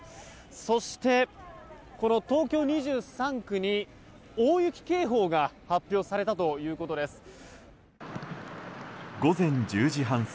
そして、東京２３区に大雪警報が発表されたということです。